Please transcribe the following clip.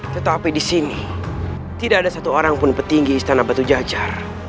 tetapi di sini tidak ada satu orang pun petinggi istana batu jajar